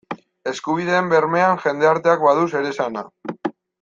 Eskubideen bermean jendarteak badu zeresana.